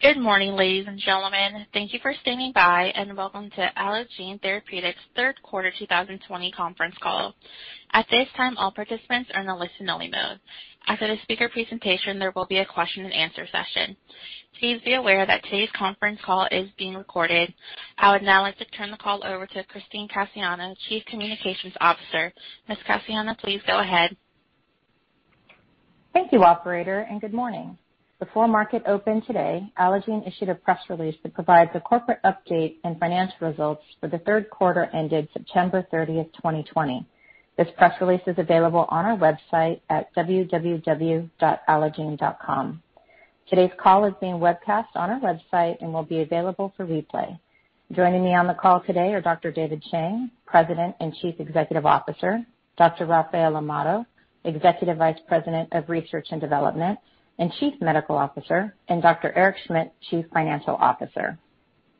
Good morning, ladies and gentlemen. Thank you for standing by, and welcome to Allogene Therapeutics' third quarter 2020 conference call. At this time, all participants are in the listen-only mode. After the speaker presentation, there will be a question-and-answer session. Please be aware that today's conference call is being recorded. I would now like to turn the call over to Christine Cassiano, Chief Communications Officer. Ms. Cassiano, please go ahead. Thank you, Operator, and good morning. Before market open today, Allogene issued a press release that provides a corporate update and financial results for the third quarter ended September 30th, 2020. This press release is available on our website at www.allogene.com. Today's call is being webcast on our website and will be available for replay. Joining me on the call today are Dr. David Chang, President and Chief Executive Officer; Dr. Rafael Amado, Executive Vice President of Research and Development and Chief Medical Officer; and Dr. Eric Schmidt, Chief Financial Officer.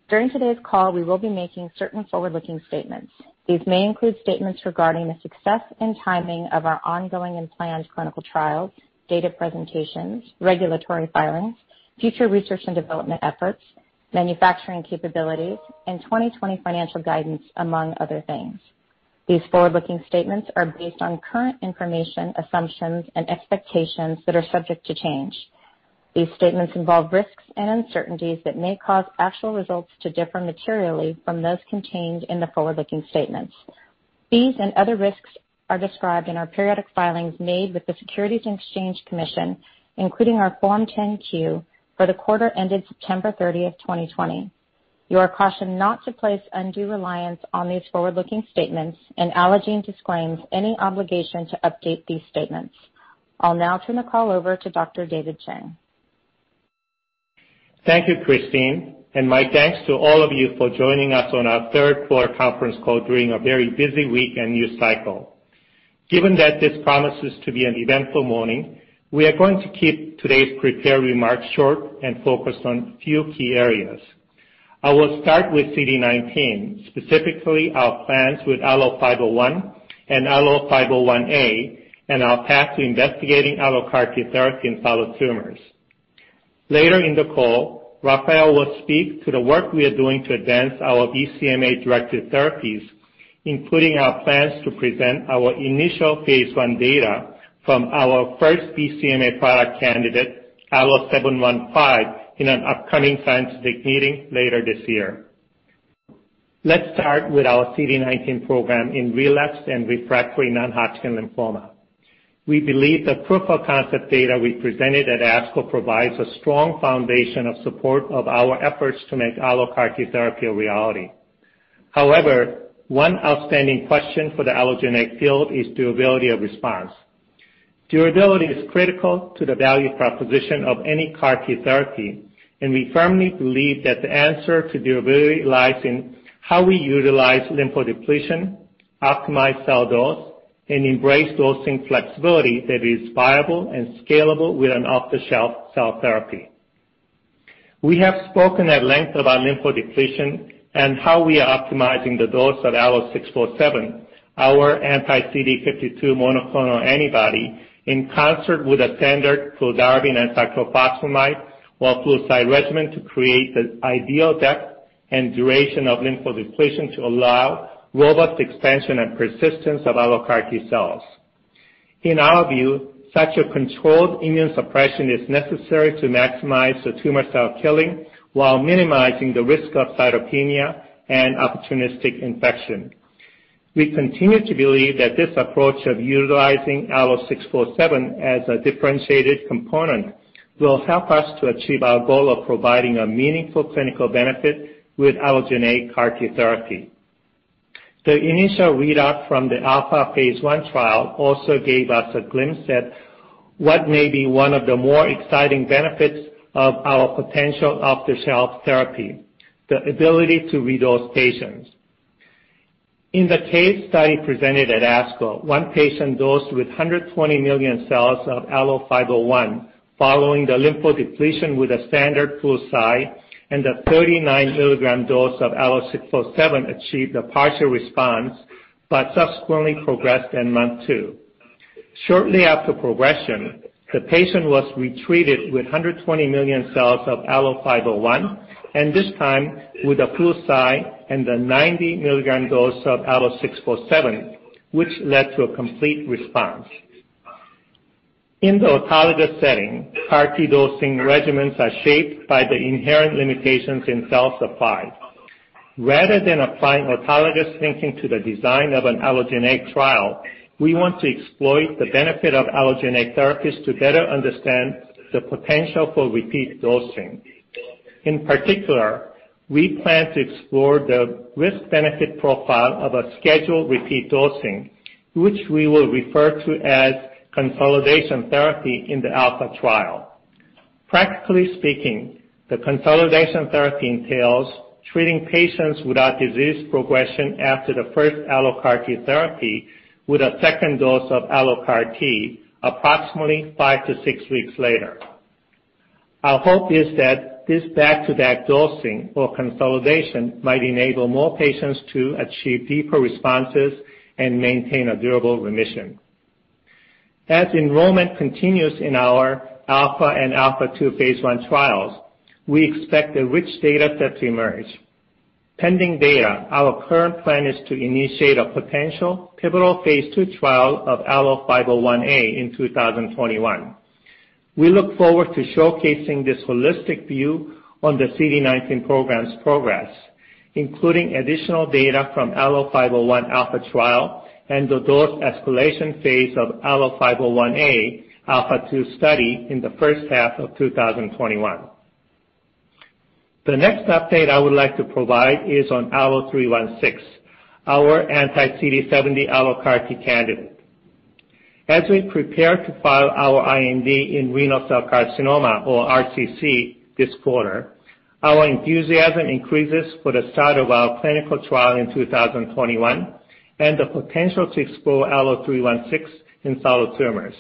During today's call, we will be making certain forward-looking statements. These may include statements regarding the success and timing of our ongoing and planned clinical trials, data presentations, regulatory filings, future research and development efforts, manufacturing capabilities, and 2020 financial guidance, among other things. These forward-looking statements are based on current information, assumptions, and expectations that are subject to change. These statements involve risks and uncertainties that may cause actual results to differ materially from those contained in the forward-looking statements. These and other risks are described in our periodic filings made with the Securities and Exchange Commission, including our Form 10-Q for the quarter ended September 30th, 2020. You are cautioned not to place undue reliance on these forward-looking statements, and Allogene disclaims any obligation to update these statements. I'll now turn the call over to Dr. David Chang. Thank you, Christine. My thanks to all of you for joining us on our third quarter conference call during a very busy week and news cycle. Given that this promises to be an eventful morning, we are going to keep today's prepared remarks short and focused on a few key areas. I will start with CD19, specifically our plans with ALLO-501 and ALLO-501-A, and our path to investigating AlloCAR T therapy in follow-up tumors. Later in the call, Rafael will speak to the work we are doing to advance our BCMA-directed therapies, including our plans to present our initial phase I data from our first BCMA product candidate, ALLO-715, in an upcoming scientific meeting later this year. Let's start with our CD19 program in relapsed and refractory non-Hodgkin lymphoma. We believe the proof-of-concept data we presented at ASCO provides a strong foundation of support of our efforts to make AlloCAR T therapy a reality. However, one outstanding question for the allogeneic field is durability of response. Durability is critical to the value proposition of any CAR T therapy, and we firmly believe that the answer to durability lies in how we utilize lymphodepletion, optimize cell dose, and embrace dosing flexibility that is viable and scalable with an off-the-shelf cell therapy. We have spoken at length about lymphodepletion and how we are optimizing the dose of ALLO-647, our anti-CD52 monoclonal antibody, in concert with a standard fludarabine and cyclophosphamide or flucide regimen to create the ideal depth and duration of lymphodepletion to allow robust expansion and persistence of AlloCAR T cells. In our view, such a controlled immune suppression is necessary to maximize the tumor cell killing while minimizing the risk of cytopenia and opportunistic infection. We continue to believe that this approach of utilizing ALLO-647 as a differentiated component will help us to achieve our goal of providing a meaningful clinical benefit with allogeneic CAR T therapy. The initial readout from the ALPHA phase I trial also gave us a glimpse at what may be one of the more exciting benefits of our potential off-the-shelf therapy: the ability to redose patients. In the case study presented at ASCO, one patient dosed with 120 million cells of ALLO-501 following the lymphodepletion with a standard flucide, and the 39 mg dose of ALLO-647 achieved a partial response but subsequently progressed in month two. Shortly after progression, the patient was retreated with 120 million cells of ALLO-501, and this time with a flucide and the 90 mg dose of ALLO-647, which led to a complete response. In the autologous setting, CAR T dosing regimens are shaped by the inherent limitations in cell supply. Rather than applying autologous thinking to the design of an allogeneic trial, we want to exploit the benefit of allogeneic therapies to better understand the potential for repeat dosing. In particular, we plan to explore the risk-benefit profile of a scheduled repeat dosing, which we will refer to as consolidation therapy in the ALPHA trial. Practically speaking, the consolidation therapy entails treating patients without disease progression after the first AlloCAR T therapy with a second dose of AlloCAR T approximately five to six weeks later. Our hope is that this back-to-back dosing or consolidation might enable more patients to achieve deeper responses and maintain a durable remission. As enrollment continues in our ALPHA and ALPHA2 phase I trials, we expect a rich data set to emerge. Pending data, our current plan is to initiate a potential pivotal phase II trial of ALLO-501-A in 2021. We look forward to showcasing this holistic view on the CD19 program's progress, including additional data from ALLO-501 ALPHA trial and the dose escalation phase of ALLO-501-A ALPHA2 study in the first half of 2021. The next update I would like to provide is on ALLO-316, our anti-CD70 AlloCAR T candidate. As we prepare to file our IND in renal cell carcinoma, or RCC, this quarter, our enthusiasm increases for the start of our clinical trial in 2021 and the potential to explore ALLO-316 in follow-up tumors.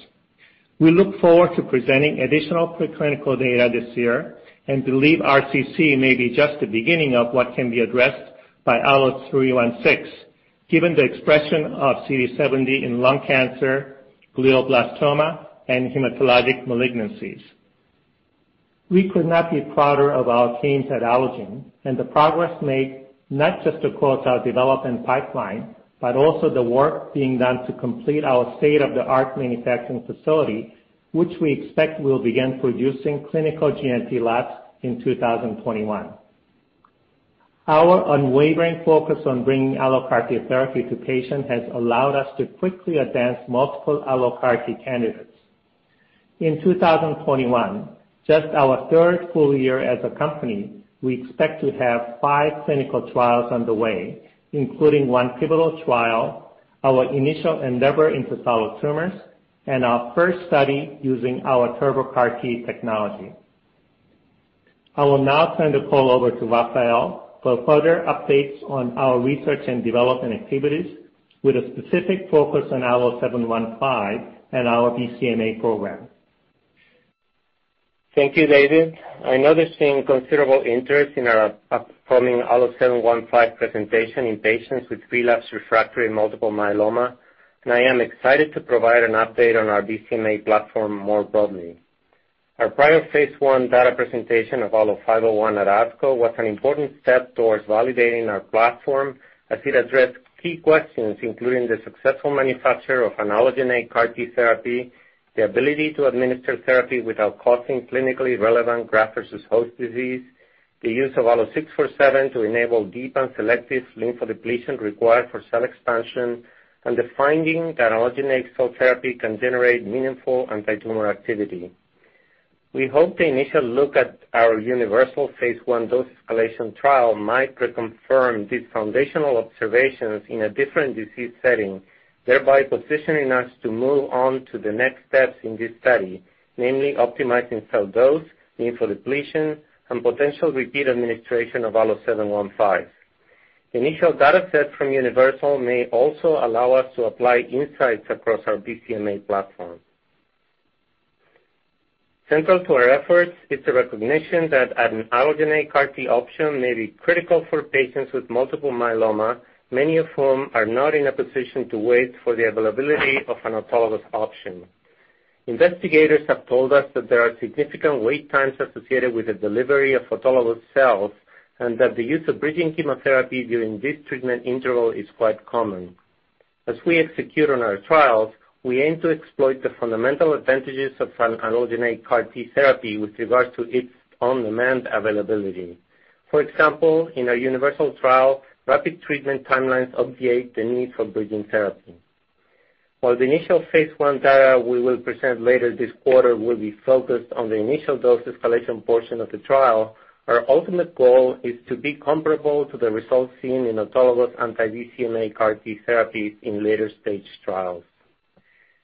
We look forward to presenting additional preclinical data this year and believe RCC may be just the beginning of what can be addressed by ALLO-316, given the expression of CD70 in lung cancer, glioblastoma, and hematologic malignancies. We could not be prouder of our teams at Allogene, and the progress made not just across our development pipeline, but also the work being done to complete our state-of-the-art manufacturing facility, which we expect will begin producing clinical CGMP labs in 2021. Our unwavering focus on bringing AlloCAR T therapy to patients has allowed us to quickly advance multiple AlloCAR T candidates. In 2021, just our third full year as a company, we expect to have five clinical trials underway, including one pivotal trial, our initial endeavor into follow-up tumors, and our first study using our TurboCAR T technology. I will now turn the call over to Rafael for further updates on our research and development activities, with a specific focus on ALLO-715 and our BCMA program. Thank you, David. I know there's been considerable interest in our upcoming ALLO-715 presentation in patients with relapsed refractory multiple myeloma, and I am excited to provide an update on our BCMA platform more broadly. Our prior phase I data presentation of ALLO-501 at ASCO was an important step towards validating our platform, as it addressed key questions, including the successful manufacture of an allogeneic CAR T therapy, the ability to administer therapy without causing clinically relevant graft versus host disease, the use of ALLO-647 to enable deep and selective lymphodepletion required for cell expansion, and the finding that allogeneic cell therapy can generate meaningful anti-tumor activity. We hope the initial look at our UNIVERSAL phase I dose escalation trial might reconfirm these foundational observations in a different disease setting, thereby positioning us to move on to the next steps in this study, namely optimizing cell dose, lymphodepletion, and potential repeat administration of ALLO-715. The initial data set from UNIVERSAL may also allow us to apply insights across our BCMA platform. Central to our efforts is the recognition that an allogeneic CAR T option may be critical for patients with multiple myeloma, many of whom are not in a position to wait for the availability of an autologous option. Investigators have told us that there are significant wait times associated with the delivery of autologous cells and that the use of bridging chemotherapy during this treatment interval is quite common. As we execute on our trials, we aim to exploit the fundamental advantages of an allogeneic CAR T therapy with regards to its on-demand availability. For example, in our UNIVERSAL trial, rapid treatment timelines obviate the need for bridging therapy. While the initial phase I data we will present later this quarter will be focused on the initial dose escalation portion of the trial, our ultimate goal is to be comparable to the results seen in autologous anti-BCMA CAR T therapies in later-stage trials.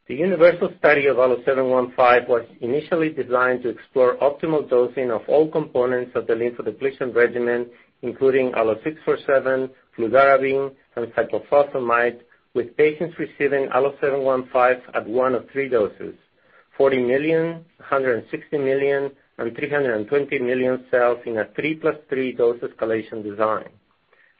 The UNIVERSAL study of ALLO-715 was initially designed to explore optimal dosing of all components of the lymphodepletion regimen, including ALLO-647, fludarabine, and cyclophosphamide, with patients receiving ALLO-715 at one of three doses: 40 million, 160 million, and 320 million cells in a 3+3 dose escalation design.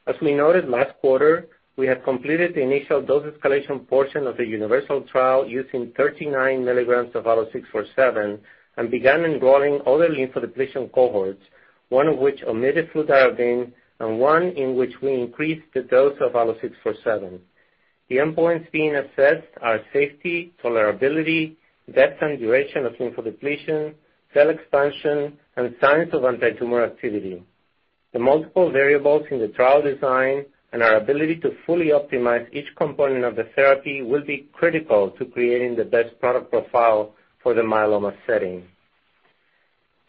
As we noted last quarter, we had completed the initial dose escalation portion of the UNIVERSAL trial using 39 milligrams of ALLO-647 and began enrolling other lymphodepletion cohorts, one of which omitted fludarabine and one in which we increased the dose of ALLO-647. The endpoints being assessed are safety, tolerability, depth and duration of lymphodepletion, cell expansion, and signs of anti-tumor activity. The multiple variables in the trial design and our ability to fully optimize each component of the therapy will be critical to creating the best product profile for the myeloma setting.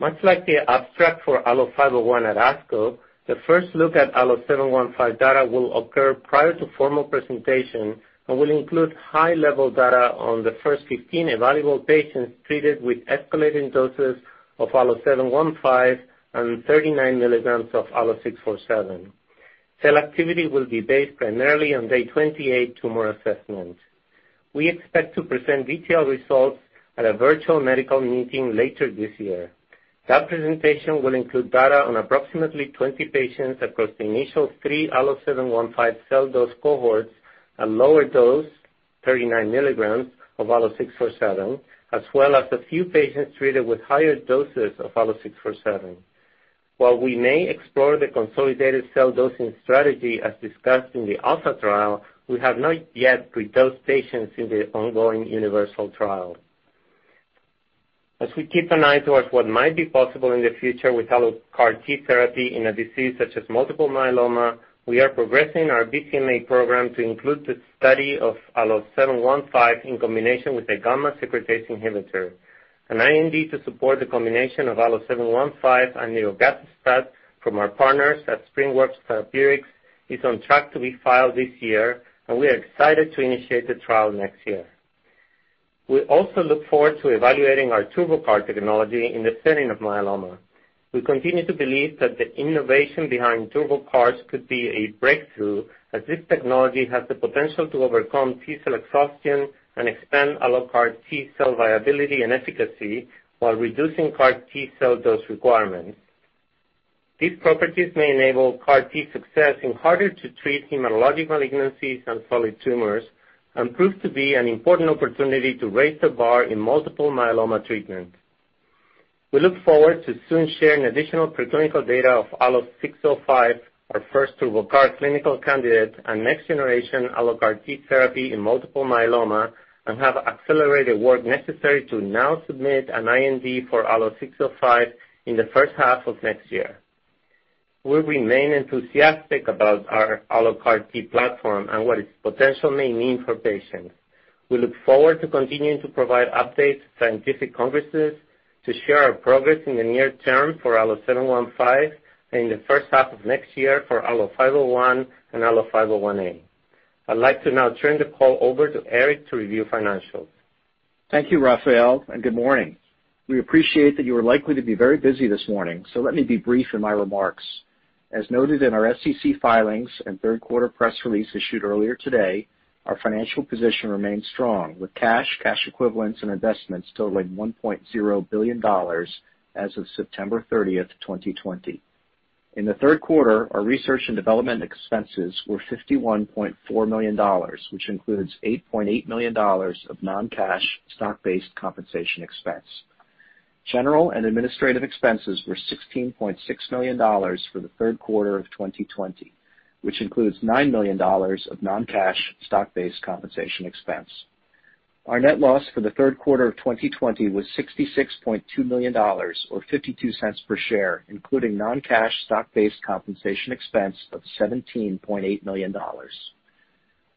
Much like the abstract for ALLO-501 at ASCO, the first look at ALLO-715 data will occur prior to formal presentation and will include high-level data on the first 15 evaluable patients treated with escalating doses of ALLO-715 and 39 mg of ALLO-647. Cell activity will be based primarily on day 28 tumor assessment. We expect to present detailed results at a virtual medical meeting later this year. That presentation will include data on approximately 20 patients across the initial three ALLO-715 cell dose cohorts at lower dose, 39 mg of ALLO-647, as well as a few patients treated with higher doses of ALLO-647. While we may explore the consolidated cell dosing strategy as discussed in the ALPHA trial, we have not yet redosed patients in the ongoing UNIVERSAL trial. As we keep an eye towards what might be possible in the future with AlloCAR T therapy in a disease such as multiple myeloma, we are progressing our BCMA program to include the study of ALLO-715 in combination with a gamma secretase inhibitor. An IND to support the combination of ALLO-715 and nirogacestat from our partners at SpringWorks Therapeutics is on track to be filed this year, and we are excited to initiate the trial next year. We also look forward to evaluating our TurboCAR technology in the setting of myeloma. We continue to believe that the innovation behind TurboCARs could be a breakthrough, as this technology has the potential to overcome T-cell exhaustion and expand AlloCAR T cell viability and efficacy while reducing CAR T cell dose requirements. These properties may enable CAR T success in harder-to-treat hematologic malignancies and solid tumors and prove to be an important opportunity to raise the bar in multiple myeloma treatment. We look forward to soon sharing additional preclinical data of ALLO-605, our first TurboCAR clinical candidate, and next-generation AlloCAR T therapy in multiple myeloma, and have accelerated work necessary to now submit an IND for ALLO-605 in the first half of next year. We remain enthusiastic about our AlloCAR T platform and what its potential may mean for patients. We look forward to continuing to provide updates at scientific conferences to share our progress in the near term for ALLO-715 and in the first half of next year for ALLO-501 and ALLO-501-A. I'd like to now turn the call over to Eric to review financials. Thank you, Rafael, and good morning. We appreciate that you are likely to be very busy this morning, so let me be brief in my remarks. As noted in our SEC filings and third-quarter press release issued earlier today, our financial position remains strong, with cash, cash equivalents, and investments totaling $1.0 billion as of September 30th, 2020. In the third quarter, our research and development expenses were $51.4 million, which includes $8.8 million of non-cash, stock-based compensation expense. General and administrative expenses were $16.6 million for the third quarter of 2020, which includes $9 million of non-cash, stock-based compensation expense. Our net loss for the third quarter of 2020 was $66.2 million, or $0.52 per share, including non-cash, stock-based compensation expense of $17.8 million.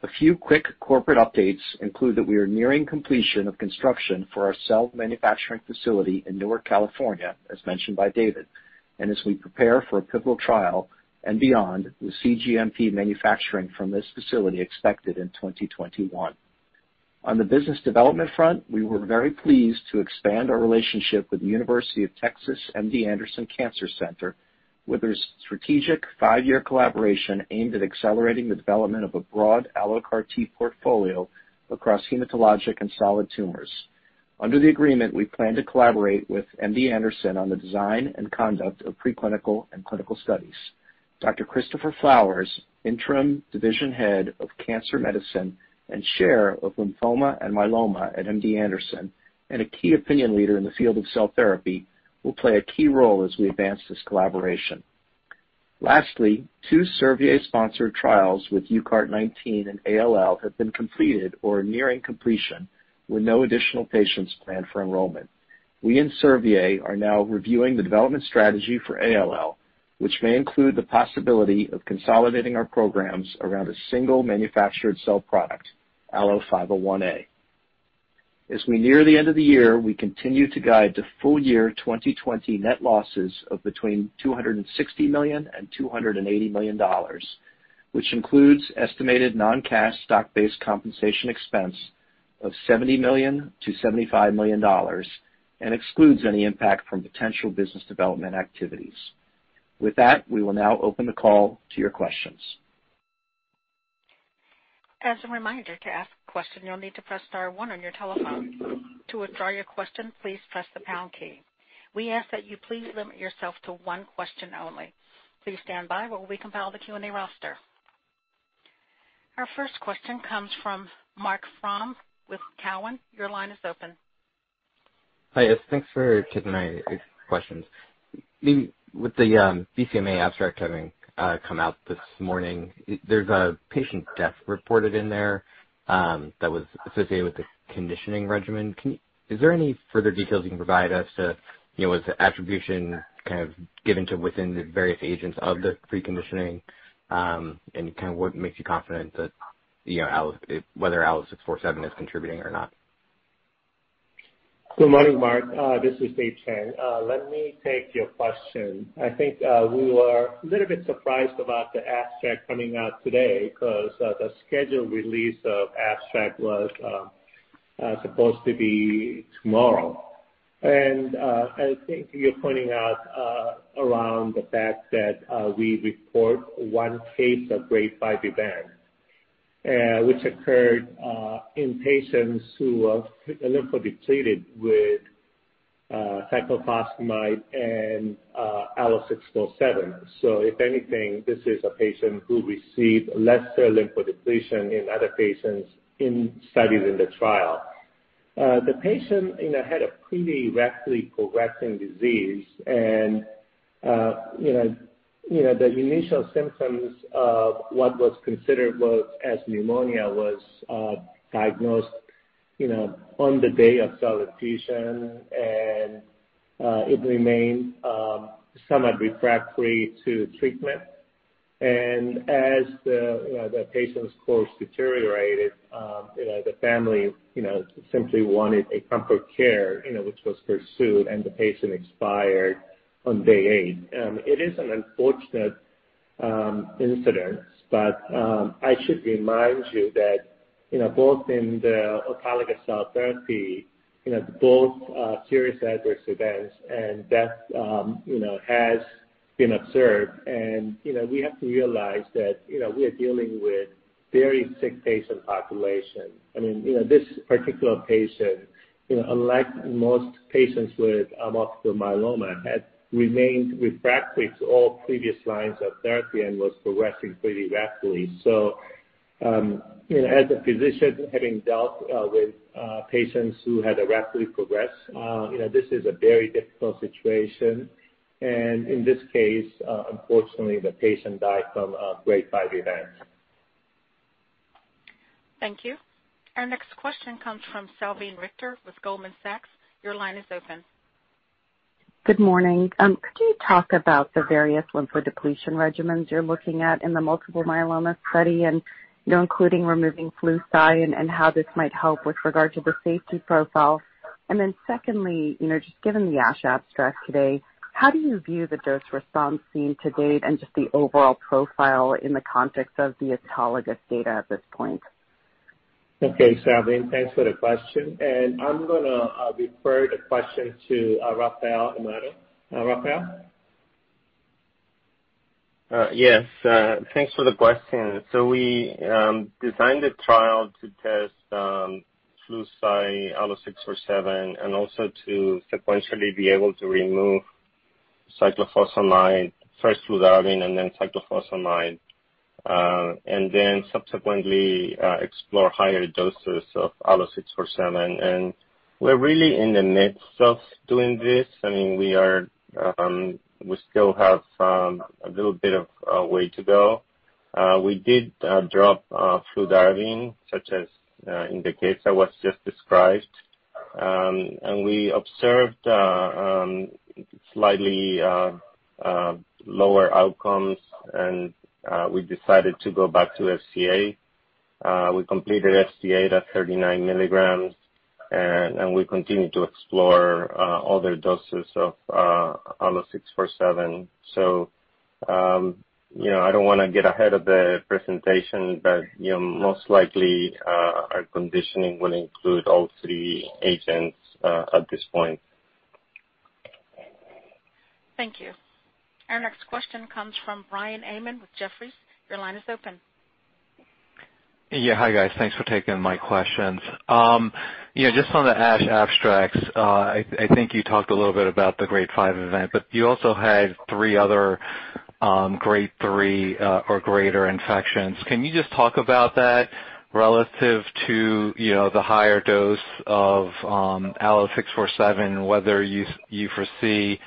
A few quick corporate updates include that we are nearing completion of construction for our cell manufacturing facility in Newark, California, as mentioned by David, and as we prepare for a pivotal trial and beyond, the CGMP manufacturing from this facility is expected in 2021. On the business development front, we were very pleased to expand our relationship with the University of Texas MD Anderson Cancer Center, with their strategic five-year collaboration aimed at accelerating the development of a broad AlloCAR T portfolio across hematologic and solid tumors. Under the agreement, we plan to collaborate with MD Anderson on the design and conduct of preclinical and clinical studies. Dr. Christopher Flowers, Interim Division Head of Cancer Medicine and Chair of Lymphoma and Myeloma at MD Anderson, and a key opinion leader in the field of cell therapy, will play a key role as we advance this collaboration. Lastly, two Servier sponsored trials with UCART19 in ALL have been completed or are nearing completion, with no additional patients planned for enrollment. We and Servier are now reviewing the development strategy for ALL, which may include the possibility of consolidating our programs around a single manufactured cell product, ALLO-501-A. As we near the end of the year, we continue to guide to full year 2020 net losses of between $260 million and $280 million, which includes estimated non-cash, stock-based compensation expense of $70 million-$75 million and excludes any impact from potential business development activities. With that, we will now open the call to your questions. As a reminder, to ask a question, you'll need to press star one on your telephone. To withdraw your question, please press the pound key. We ask that you please limit yourself to one question only. Please stand by while we compile the Q&A roster. Our first question comes from Mark Frahm with Cowen. Your line is open. Hi, yes. Thanks for taking my questions. With the BCMA abstract having come out this morning, there's a patient death reported in there that was associated with the conditioning regimen. Is there any further details you can provide as to was the attribution kind of given to within the various agents of the preconditioning and kind of what makes you confident that whether ALLO-647 is contributing or not? Good morning, Mark. This is Dave Chang. Let me take your question. I think we were a little bit surprised about the abstract coming out today because the scheduled release of abstract was supposed to be tomorrow. I think you're pointing out around the fact that we report one case of grade 5 event, which occurred in patients who are lymphodepleted with cyclophosphamide and ALLO-647. If anything, this is a patient who received lesser lymphodepletion than other patients studied in the trial. The patient had a pretty rapidly progressing disease, and the initial symptoms of what was considered as pneumonia were diagnosed on the day of cell infusion, and it remained somewhat refractory to treatment. As the patient's course deteriorated, the family simply wanted a proper care, which was pursued, and the patient expired on day eight. It is an unfortunate incident, but I should remind you that both in the autologous cell therapy, both serious adverse events and death have been observed. We have to realize that we are dealing with a very sick patient population. I mean, this particular patient, unlike most patients with multiple myeloma, had remained refractory to all previous lines of therapy and was progressing pretty rapidly. As a physician having dealt with patients who had a rapidly progressed, this is a very difficult situation. In this case, unfortunately, the patient died from grade 5 event. Thank you. Our next question comes from Salveen Richter with Goldman Sachs. Your line is open. Good morning. Could you talk about the various lymphodepletion regimens you're looking at in the multiple myeloma study, including removing flu side and how this might help with regard to the safety profile? Secondly, just given the ASH abstract today, how do you view the dose response seen to date and just the overall profile in the context of the autologous data at this point? Okay, Selvine, thanks for the question. I'm going to refer the question to Rafael Amado. Rafael? Yes. Thanks for the question. We designed the trial to test flu side, ALLO-647, and also to sequentially be able to remove cyclophosphamide, first fludarabine and then cyclophosphamide, and then subsequently explore higher doses of ALLO-647. We're really in the midst of doing this. I mean, we still have a little bit of a way to go. We did drop fludarabine, such as in the case that was just described. We observed slightly lower outcomes, and we decided to go back to FCA. We completed FCA at 39 mg, and we continued to explore other doses of ALLO-647. I don't want to get ahead of the presentation, but most likely our conditioning will include all three agents at this point. Thank you. Our next question comes from Biren Amin with Jefferies. Your line is open. Yeah, hi guys. Thanks for taking my questions. Yeah, just on the ASH abstracts, I think you talked a little bit about the grade 5 event, but you also had three other grade 3 or greater infections. Can you just talk about that relative to the higher dose of ALLO-647, whether you foresee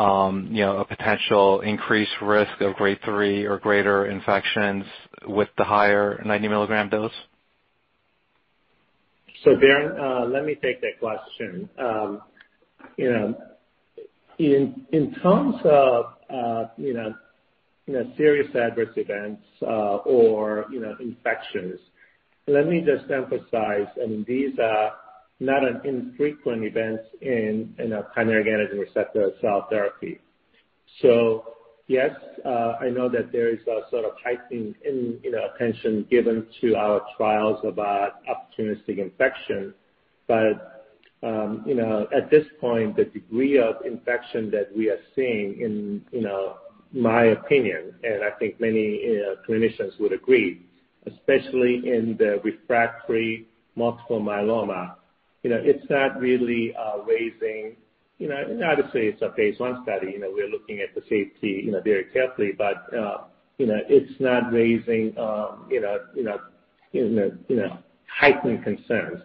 a potential increased risk of grade 3 or greater infections with the higher 90 mg dose? Biren, let me take that question. In terms of serious adverse events or infections, let me just emphasize, I mean, these are not infrequent events in primary gamma gene receptor cell therapy. Yes, I know that there is a sort of heightened attention given to our trials about opportunistic infection, but at this point, the degree of infection that we are seeing, in my opinion, and I think many clinicians would agree, especially in the refractory multiple myeloma, it's not really raising, obviously, it's a phase one study. We're looking at the safety very carefully, but it's not raising heightened concerns.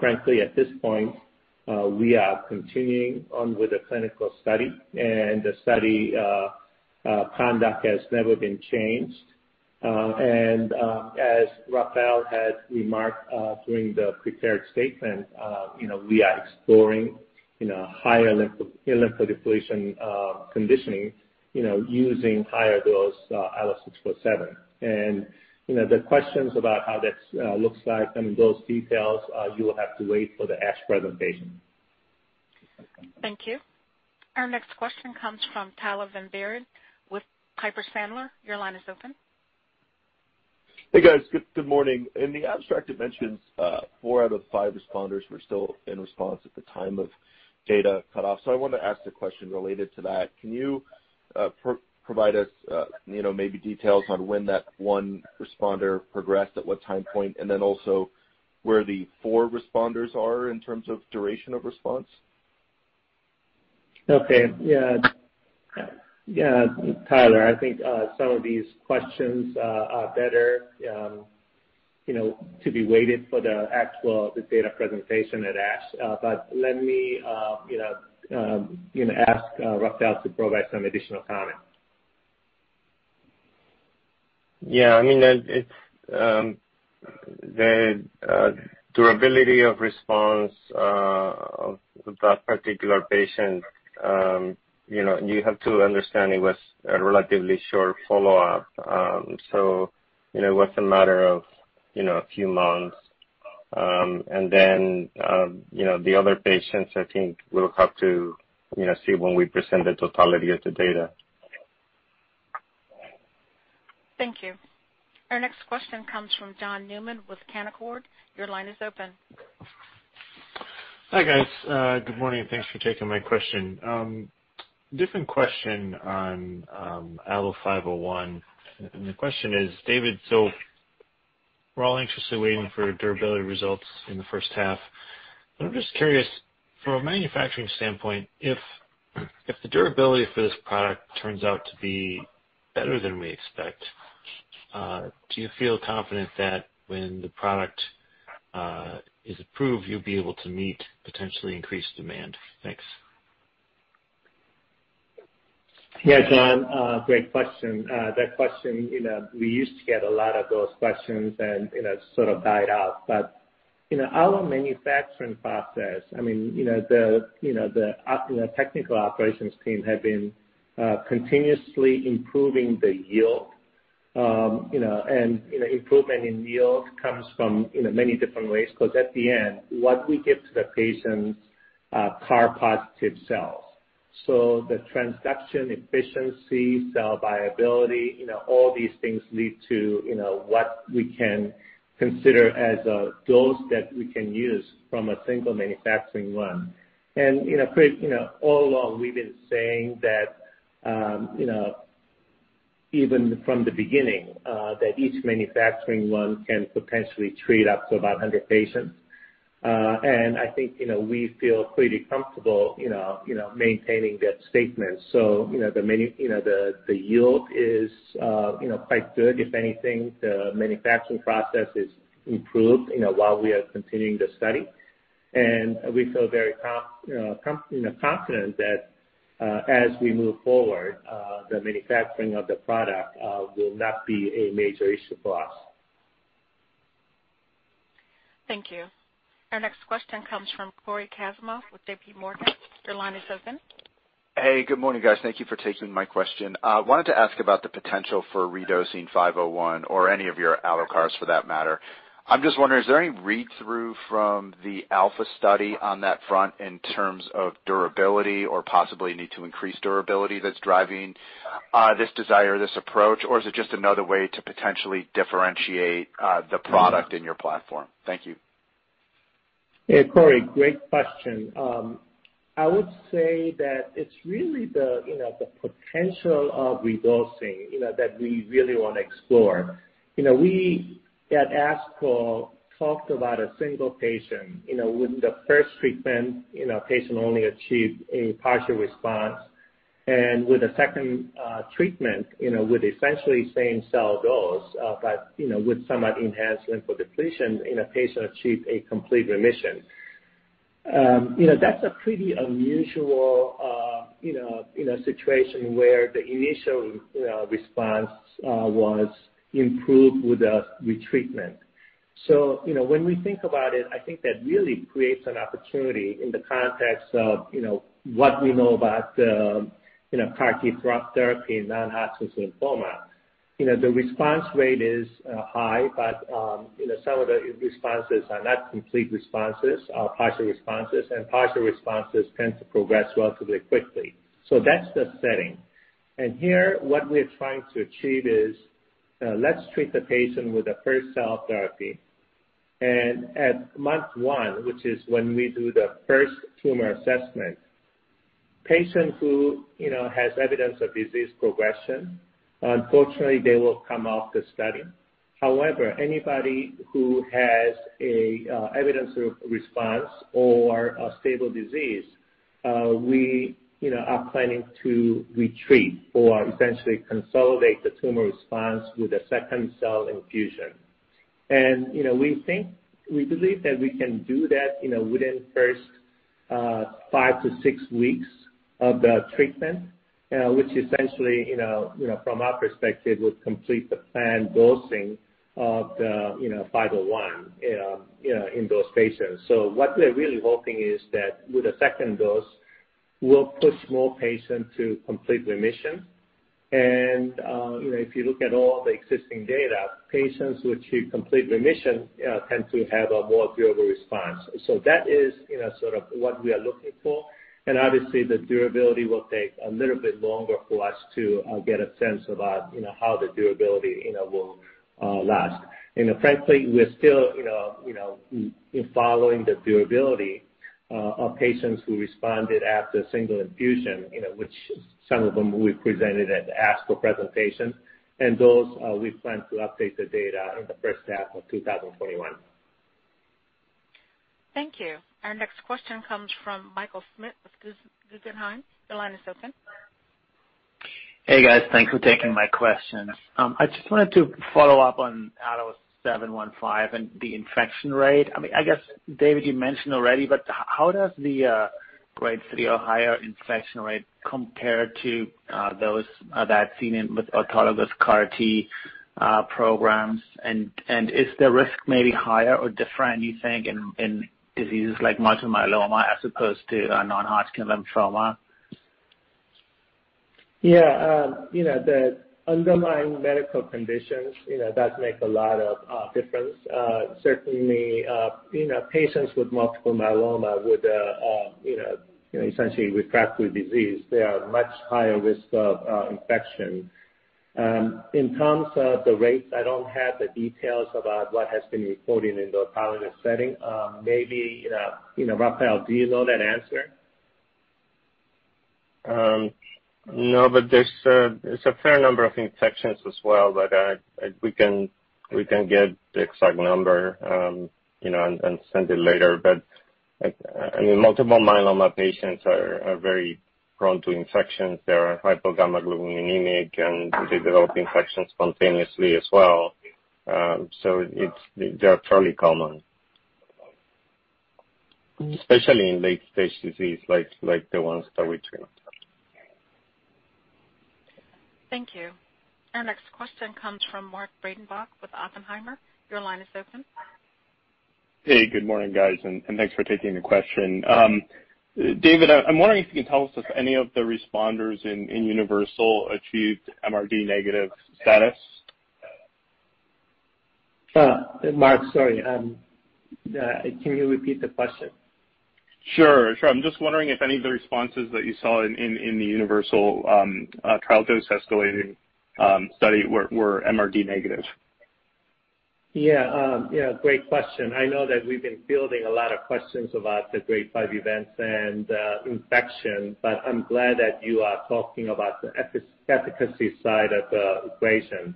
Frankly, at this point, we are continuing on with the clinical study, and the study conduct has never been changed. As Rafael had remarked during the prepared statement, we are exploring higher lymphodepletion conditioning using higher dose ALLO-647. The questions about how that looks like, I mean, those details, you will have to wait for the ASH presentation. Thank you. Our next question comes from Tyler Van Buren with Piper Sandler. Your line is open. Hey guys, good morning. In the abstract, it mentions four out of five responders were still in response at the time of data cutoff. I want to ask the question related to that. Can you provide us maybe details on when that one responder progressed at what time point, and then also where the four responders are in terms of duration of response? Okay. Yeah. Yeah, Tyler, I think some of these questions are better to be waited for the actual data presentation at ASH, but let me ask Rafael to provide some additional comments. Yeah. I mean, the durability of response of that particular patient, you have to understand it was a relatively short follow-up. It was a matter of a few months. The other patients, I think we'll have to see when we present the totality of the data. Thank you. Our next question comes from John Newman with Canaccord. Your line is open. Hi guys. Good morning. Thanks for taking my question. Different question on ALLO-501. The question is, David, we're all anxiously waiting for durability results in the first half. I'm just curious, from a manufacturing standpoint, if the durability for this product turns out to be better than we expect, do you feel confident that when the product is approved, you'll be able to meet potentially increased demand? Thanks. Yeah, John, great question. That question, we used to get a lot of those questions and it sort of died out. I mean, the technical operations team had been continuously improving the yield. Improvement in yield comes from many different ways because at the end, what we give to the patients are positive cells. The transduction efficiency, cell viability, all these things lead to what we can consider as a dose that we can use from a single manufacturing run. All along, we've been saying that even from the beginning, that each manufacturing run can potentially treat up to about 100 patients. I think we feel pretty comfortable maintaining that statement. The yield is quite good. If anything, the manufacturing process is improved while we are continuing the study. We feel very confident that as we move forward, the manufacturing of the product will not be a major issue for us. Thank you. Our next question comes from Cory Kasimov with JPMorgan. Your line is open. Hey, good morning guys. Thank you for taking my question. I wanted to ask about the potential for redosing 501 or any of your AlloCARs for that matter. I'm just wondering, is there any read-through from the ALPHA study on that front in terms of durability or possibly need to increase durability that's driving this desire, this approach? Is it just another way to potentially differentiate the product in your platform? Thank you. Hey, Cory, great question. I would say that it's really the potential of redosing that we really want to explore. We at ASCO talked about a single patient. With the first treatment, the patient only achieved a partial response. With the second treatment, with essentially the same cell dose, but with somewhat enhanced lymphodepletion, the patient achieved a complete remission. That's a pretty unusual situation where the initial response was improved with treatment. When we think about it, I think that really creates an opportunity in the context of what we know about CAR T therapy and non-Hodgkin lymphoma. The response rate is high, but some of the responses are not complete responses, are partial responses, and partial responses tend to progress relatively quickly. That is the setting. Here, what we are trying to achieve is let's treat the patient with the first cell therapy. At month one, which is when we do the first tumor assessment, a patient who has evidence of disease progression, unfortunately, will come off the study. However, anybody who has evidence of response or stable disease, we are planning to retreat or essentially consolidate the tumor response with a second cell infusion. We believe that we can do that within the first five to six weeks of the treatment, which essentially, from our perspective, would complete the planned dosing of the 501 in those patients. What we are really hoping is that with the second dose, we will push more patients to complete remission. If you look at all the existing data, patients who achieve complete remission tend to have a more durable response. That is sort of what we are looking for. Obviously, the durability will take a little bit longer for us to get a sense about how the durability will last. Frankly, we're still following the durability of patients who responded after a single infusion, which some of them we presented at ASCO presentation. Those, we plan to update the data in the first half of 2021. Thank you. Our next question comes from Michael Smidt with Guggenheim. Your line is open. Hey guys, thanks for taking my question. I just wanted to follow up on ALLO-715 and the infection rate. I mean, I guess, David, you mentioned already, but how does the grade 3 or higher infection rate compare to those that are seen in autologous CAR T programs? Is the risk maybe higher or different, you think, in diseases like multiple myeloma as opposed to non-Hodgkin lymphoma? Yeah. The underlying medical conditions, that makes a lot of difference. Certainly, patients with multiple myeloma with essentially refractory disease, they are much higher risk of infection. In terms of the rates, I don't have the details about what has been reported in the autologous setting. Maybe Rafael, do you know that answer? No, but there's a fair number of infections as well. We can get the exact number and send it later. I mean, multiple myeloma patients are very prone to infections. They are hypogammaglobulinemic, and they develop infections spontaneously as well. They are fairly common, especially in late-stage disease like the ones that we treat. Thank you. Our next question comes from Mark Breidenbach with Oppenheimer. Your line is open. Hey, good morning guys. Thanks for taking the question. David, I'm wondering if you can tell us if any of the responders in UNIVERSAL achieved MRD negative status? Mark, sorry. Can you repeat the question? Sure. Sure. I'm just wondering if any of the responses that you saw in the UNIVERSAL trial dose escalating study were MRD negative. Yeah. Yeah. Great question. I know that we've been fielding a lot of questions about the grade 5 events and infection, but I'm glad that you are talking about the efficacy side of the equation.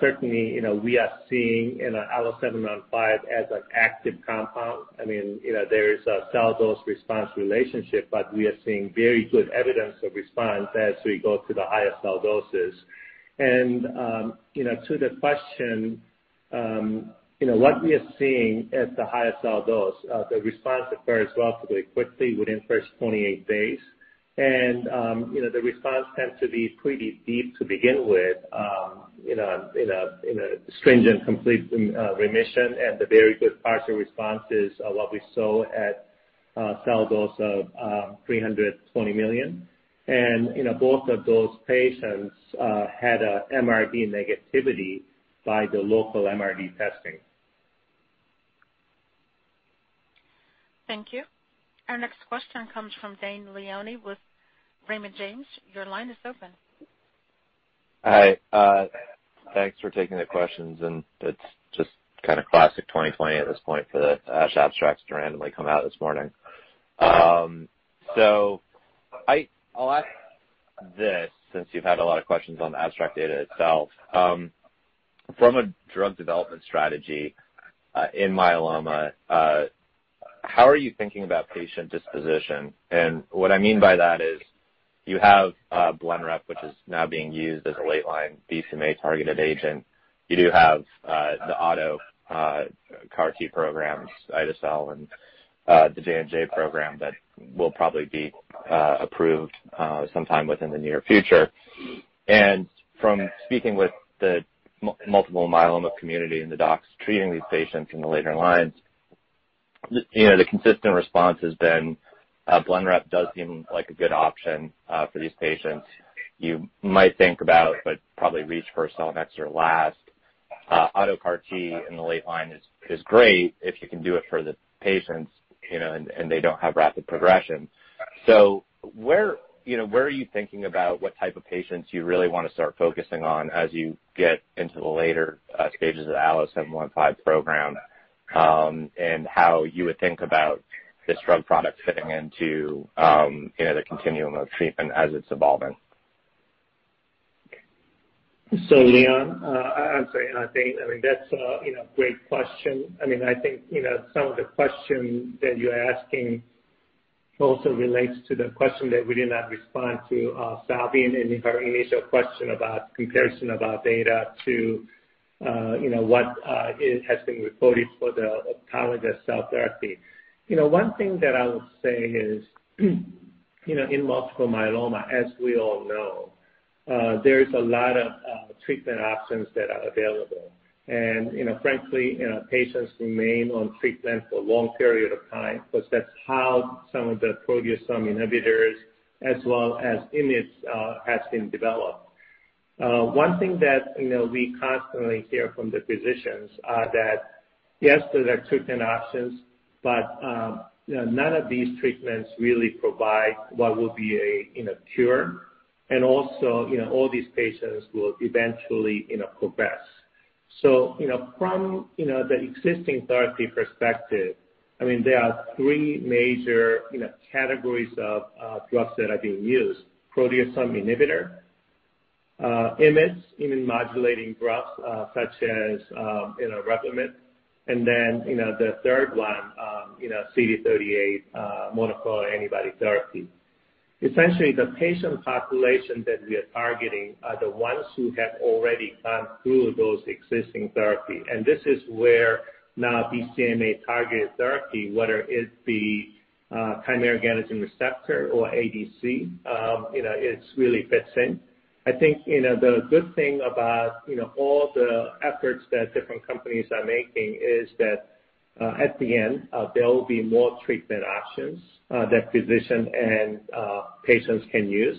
Certainly, we are seeing ALLO-715 as an active compound. I mean, there is a cell dose response relationship, but we are seeing very good evidence of response as we go to the higher cell doses. To the question, what we are seeing at the higher cell dose, the response occurs relatively quickly within first 28 days. The response tends to be pretty deep to begin with in a stringent complete remission. The very good partial responses are what we saw at cell dose of 320 million. Both of those patients had an MRD negativity by the local MRD testing. Thank you. Our next question comes from Dane Leone with Raymond James. Your line is open. Hi. Thanks for taking the questions. It's just kind of classic 2020 at this point for the ASCO abstracts to randomly come out this morning. I'll ask this since you've had a lot of questions on the abstract data itself. From a drug development strategy in myeloma, how are you thinking about patient disposition? What I mean by that is you have Blenrep, which is now being used as a late-line BCMA targeted agent. You do have the auto CAR T programs, ide-cel, and the J&J program that will probably be approved sometime within the near future. From speaking with the multiple myeloma community and the docs treating these patients in the later lines, the consistent response has been Blenrep does seem like a good option for these patients. You might think about, but probably reach for a cell next or last. Auto CAR T in the late line is great if you can do it for the patients and they don't have rapid progression. Where are you thinking about what type of patients you really want to start focusing on as you get into the later stages of the ALLO-715 program and how you would think about this drug product fitting into the continuum of treatment as it's evolving? Leon, I'm sorry. I think that's a great question. I mean, I think some of the questions that you're asking also relates to the question that we did not respond to, Salvi, in her initial question about comparison of our data to what has been reported for the autologous cell therapy. One thing that I would say is in multiple myeloma, as we all know, there is a lot of treatment options that are available. Frankly, patients remain on treatment for a long period of time because that's how some of the proteasome inhibitors as well as IMiDs have been developed. One thing that we constantly hear from the physicians is that, yes, there are treatment options, but none of these treatments really provide what will be a cure. Also, all these patients will eventually progress. From the existing therapy perspective, I mean, there are three major categories of drugs that are being used: proteasome inhibitor, IMiDs, immunomodulating drugs such as Revlimid, and then the third one, CD38 monoclonal antibody therapy. Essentially, the patient population that we are targeting are the ones who have already gone through those existing therapies. This is where now BCMA targeted therapy, whether it be chimeric antigen receptor or ADC, it really fits in. I think the good thing about all the efforts that different companies are making is that at the end, there will be more treatment options that physicians and patients can use.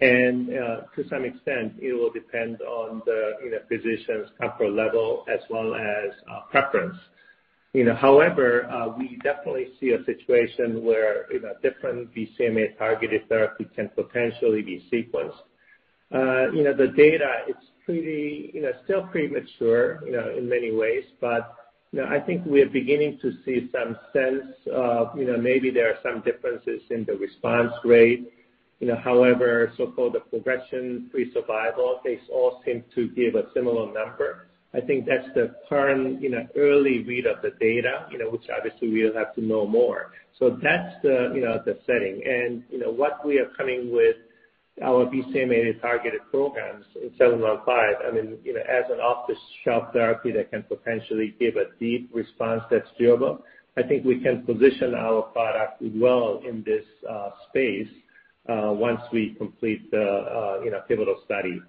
To some extent, it will depend on the physician's comfort level as well as preference. However, we definitely see a situation where different BCMA targeted therapies can potentially be sequenced. The data, it's still premature in many ways, but I think we are beginning to see some sense of maybe there are some differences in the response rate. However, so-called the progression-free survival, they all seem to give a similar number. I think that's the current early read of the data, which obviously we will have to know more. That's the setting. What we are coming with our BCMA targeted programs in 715, I mean, as an off-the-shelf therapy that can potentially give a deep response that's durable, I think we can position our product well in this space once we complete the pivotal study.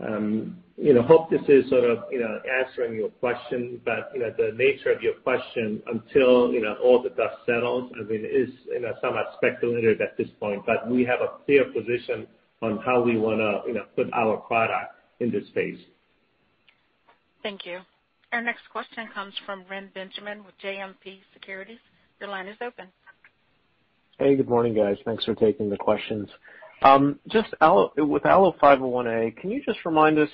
I hope this is sort of answering your question, but the nature of your question, until all the dust settles, I mean, is somewhat speculative at this point, but we have a clear position on how we want to put our product in this space. Thank you. Our next question comes from Reni Benjamin with JMP Securities. Your line is open. Hey, good morning guys. Thanks for taking the questions. Just with ALLO-501-A, can you just remind us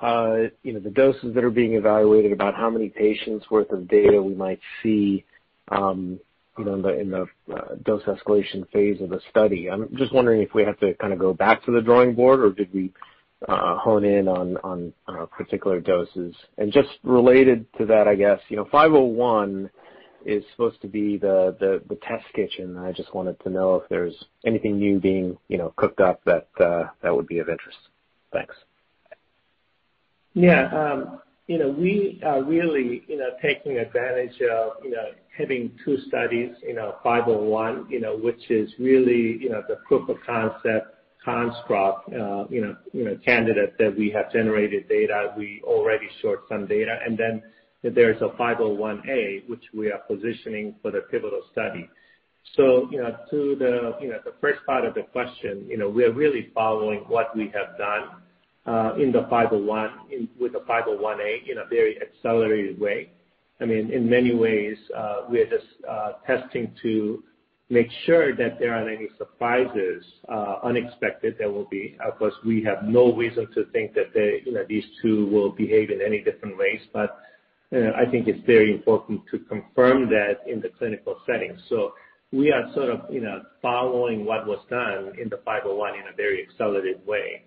the doses that are being evaluated, about how many patients' worth of data we might see in the dose escalation phase of the study? I'm just wondering if we have to kind of go back to the drawing board or did we hone in on particular doses. Just related to that, I guess, 501 is supposed to be the test kitchen. I just wanted to know if there's anything new being cooked up that would be of interest. Thanks. Yeah. We are really taking advantage of having two studies, 501, which is really the proof of concept construct candidate that we have generated data. We already showed some data. And then there is a 501-A, which we are positioning for the pivotal study. To the first part of the question, we are really following what we have done in the 501 with the 501-A in a very accelerated way. I mean, in many ways, we are just testing to make sure that there are not any surprises unexpected that will be because we have no reason to think that these two will behave in any different ways. I think it is very important to confirm that in the clinical setting. We are sort of following what was done in the 501 in a very accelerated way.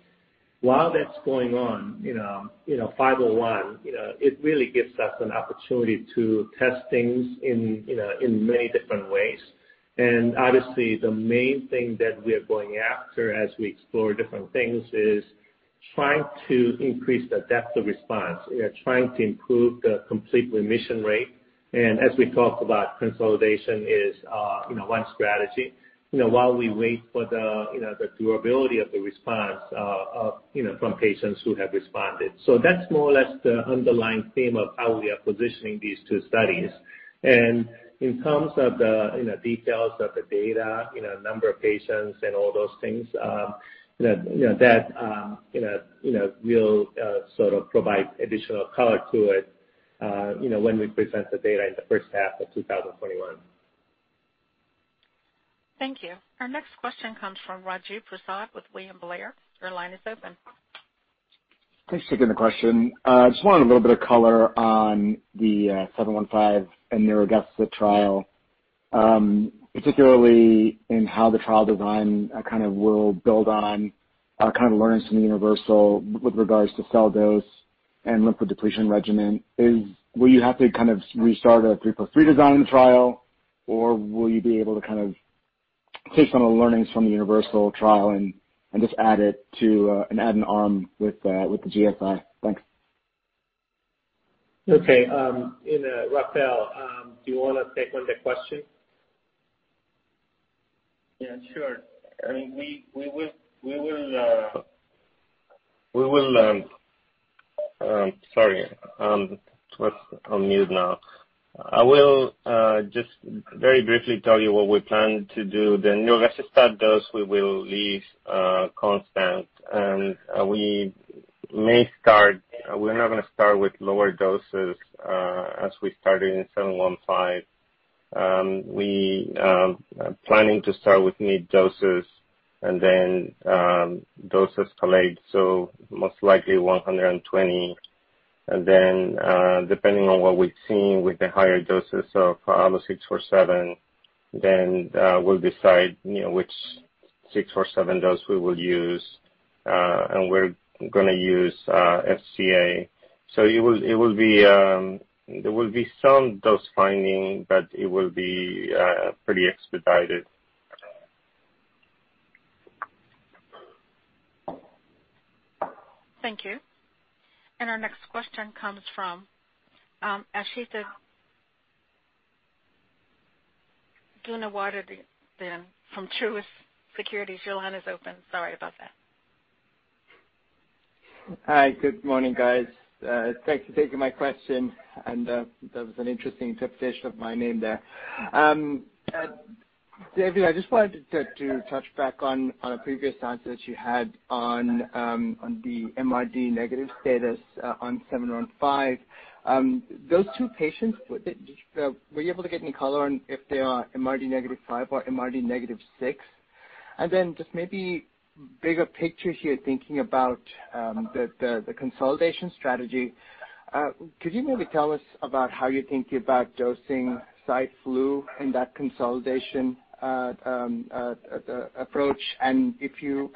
While that's going on, 501, it really gives us an opportunity to test things in many different ways. Obviously, the main thing that we are going after as we explore different things is trying to increase the depth of response, trying to improve the complete remission rate. As we talked about, consolidation is one strategy while we wait for the durability of the response from patients who have responded. That is more or less the underlying theme of how we are positioning these two studies. In terms of the details of the data, number of patients, and all those things, that will sort of provide additional color to it when we present the data in the first half of 2021. Thank you. Our next question comes from Rajiv Prasad with William Blair. Your line is open. Thanks for taking the question. I just wanted a little bit of color on the 715 and nirogacestat trial, particularly in how the trial design kind of will build on kind of learnings from UNIVERSAL with regards to cell dose and lymphodepletion regimen. Will you have to kind of restart a 3+3 design trial, or will you be able to kind of take some of the learnings from the UNIVERSAL trial and just add it to and add an arm with the GSI? Thanks. Okay. Rafael, do you want to take on the question? Yeah. Sure. I mean, we will—sorry. Let's unmute now. I will just very briefly tell you what we plan to do. The nirogacestat start dose, we will leave constant. And we may start—we're not going to start with lower doses as we started in 715. We are planning to start with mid-doses and then dose escalate, so most likely 120. And then depending on what we've seen with the higher doses of ALLO-647, then we'll decide which 647 dose we will use. And we're going to use FCA. It will be—there will be some dose finding, but it will be pretty expedited. Thank you. Our next question comes from Asthika Goonewardene from Truist Securities. Your line is open. Sorry about that. Hi. Good morning, guys. Thanks for taking my question. That was an interesting interpretation of my name there. David, I just wanted to touch back on a previous answer that you had on the MRD negative status on 715. Those two patients, were you able to get any color on if they are MRD -5 or MRD -6? Maybe bigger picture here, thinking about the consolidation strategy, could you maybe tell us about how you're thinking about dosing site flu in that consolidation approach?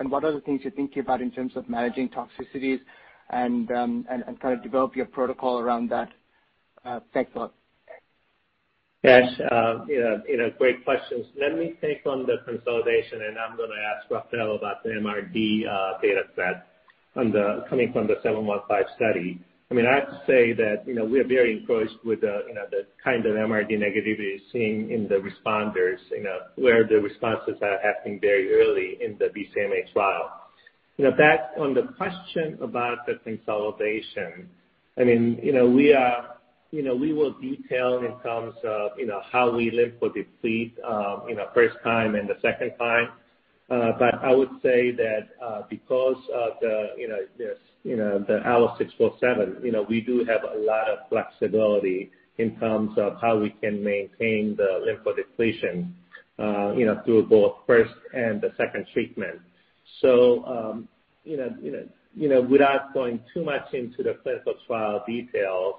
What other things you're thinking about in terms of managing toxicities and kind of develop your protocol around that? Thanks a lot. Yes. Great questions. Let me take on the consolidation, and I'm going to ask Rafael about the MRD data set coming from the 715 study. I mean, I have to say that we are very encouraged with the kind of MRD negativity seen in the responders where the responses are happening very early in the BCMA trial. Back on the question about the consolidation, I mean, we will detail in terms of how we lymphodeplete first time and the second time. I would say that because of the ALLO-647, we do have a lot of flexibility in terms of how we can maintain the lymphodepletion through both first and the second treatment. Without going too much into the clinical trial details,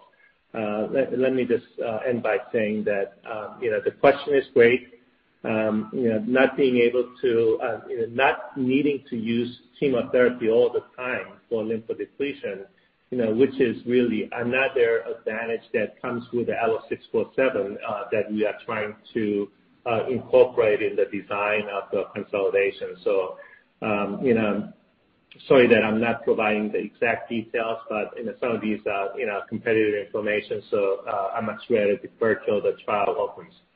let me just end by saying that the question is great. Not being able to—not needing to use chemotherapy all the time for lymphodepletion, which is really another advantage that comes with the ALLO-647 that we are trying to incorporate in the design of the consolidation. Sorry that I'm not providing the exact details, but some of these are competitive information, so I'm much ready to further the trial opens. Thank you.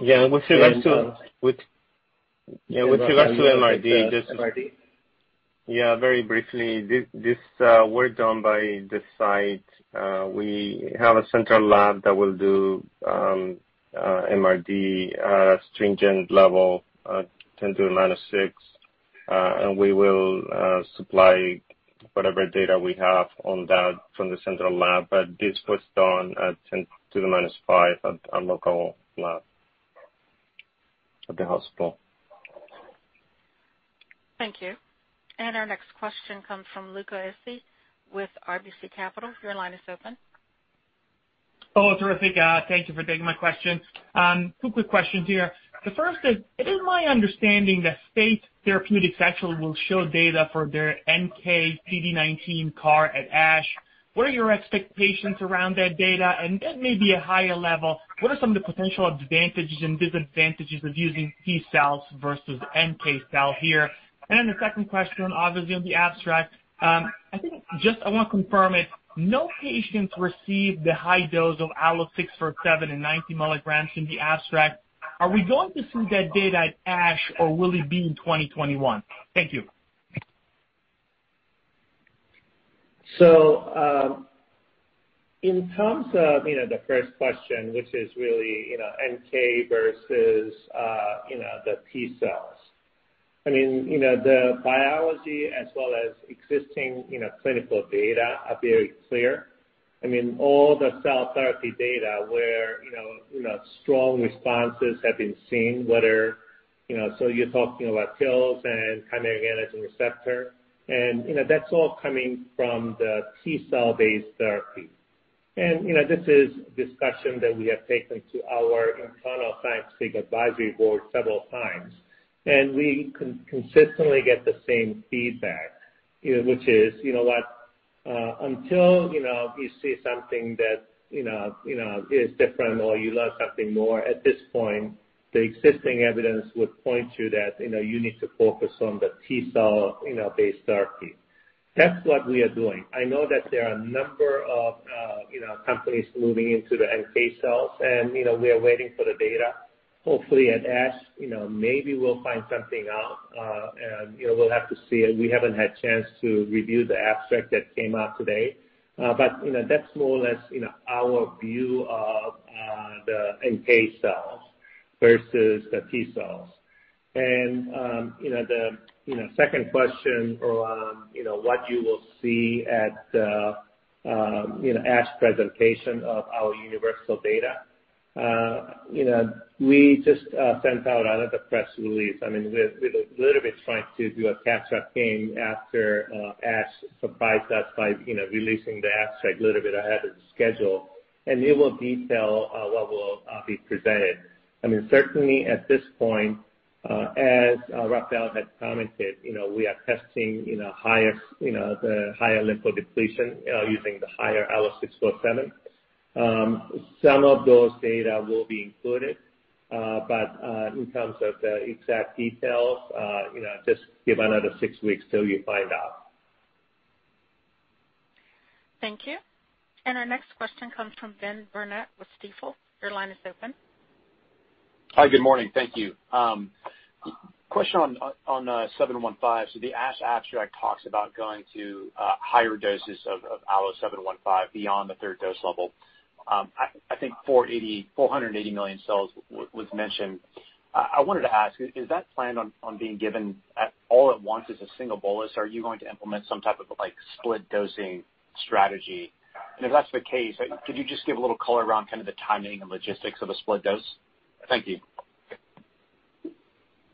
Yeah. With regards to—yeah, with regards to MRD, just—yeah, very briefly, this work done by the site, we have a central lab that will do MRD stringent level 10^-6. And we will supply whatever data we have on that from the central lab. This was done at 10^-5 at a local lab at the hospital. Thank you. Our next question comes from Luca Issi with RBC Capital. Your line is open. Hello, terrific. Thank you for taking my question. Two quick questions here. The first is, it is my understanding that Fate Therapeutics actually will show data for their NK CD19 CAR at ASH. What are your expectations around that data? Maybe a higher level, what are some of the potential advantages and disadvantages of using T cells versus NK cell here? The second question, obviously on the abstract, I think just I want to confirm it. No patients received the high dose of ALLO-647 at 90 mg in the abstract. Are we going to see that data at ASH, or will it be in 2021? Thank you. In terms of the first question, which is really NK versus the T cells, I mean, the biology as well as existing clinical data are very clear. I mean, all the cell therapy data where strong responses have been seen, whether you're talking about TILS and chimeric antigen receptor. That's all coming from the T cell-based therapy. This is a discussion that we have taken to our internal scientific advisory board several times. We consistently get the same feedback, which is, "You know what? Until you see something that is different or you learn something more, at this point, the existing evidence would point to that you need to focus on the T cell-based therapy." That's what we are doing. I know that there are a number of companies moving into the NK cells, and we are waiting for the data. Hopefully, at ASH, maybe we'll find something out. We'll have to see it. We haven't had a chance to review the abstract that came out today. That's more or less our view of the NK cells versus the T cells. The second question or what you will see at the ASH presentation of our UNIVERSAL data, we just sent out another press release. I mean, we're a little bit trying to do a catch-up game after ASH surprised us by releasing the abstract a little bit ahead of the schedule. It will detail what will be presented. I mean, certainly at this point, as Rafael had commented, we are testing the higher lymphodepletion using the higher ALLO-647. Some of those data will be included. In terms of the exact details, just give another six weeks till you find out. Thank you. Our next question comes from Ben Burnett with Stifel. Your line is open. Hi. Good morning. Thank you. Question on 715. The ASH abstract talks about going to higher doses of ALLO-715 beyond the third dose level. I think 480 million cells was mentioned. I wanted to ask, is that planned on being given all at once as a single bolus? Are you going to implement some type of split dosing strategy? If that's the case, could you just give a little color around kind of the timing and logistics of a split dose? Thank you.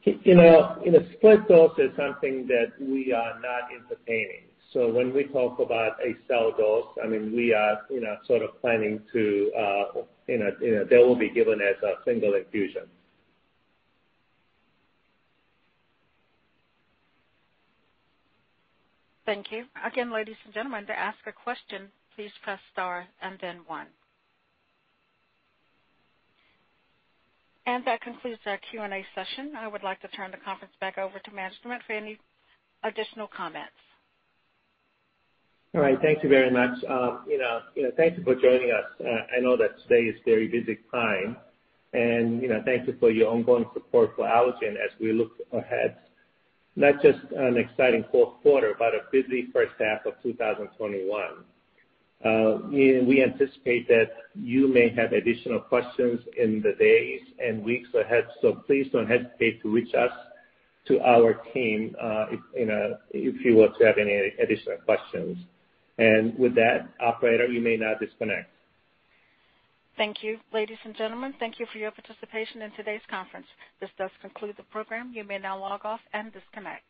In a split dose, it's something that we are not entertaining. When we talk about a cell dose, I mean, we are sort of planning to—they will be given as a single infusion. Thank you. Again, ladies and gentlemen, to ask a question, please press star and then one. That concludes our Q&A session. I would like to turn the conference back over to management for any additional comments. All right. Thank you very much. Thank you for joining us. I know that today is a very busy time. Thank you for your ongoing support for Allogene as we look ahead, not just an exciting fourth quarter, but a busy first half of 2021. We anticipate that you may have additional questions in the days and weeks ahead. Please do not hesitate to reach out to our team if you have any additional questions. With that, operator, you may now disconnect. Thank you, ladies and gentlemen. Thank you for your participation in today's conference. This does conclude the program. You may now log off and disconnect.